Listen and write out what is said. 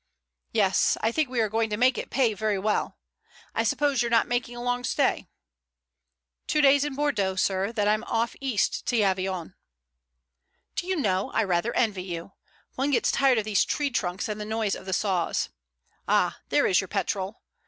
"Yes, I think we are going to make it pay very well. I suppose you're not making a long stay?" "Two days in Bordeaux, sir, then I'm off east to Avignon." "Do you know, I rather envy you. One gets tired of these tree trunks and the noise of the saws. Ah, there is your petrol."